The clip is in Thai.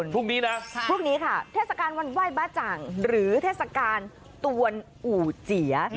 พรุ่งนี้น่ะภูมิค่ะทดวันไว้บ้าจังหรือเทศกาลตวนอู่เจีย